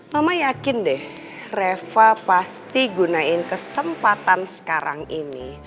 mama yakin deh reva pasti gunain kesempatan sekarang ini